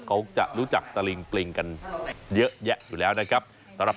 เขาจะรู้จักตลิ่งปริงกันเยอะแยะอยู่แล้วนะครับ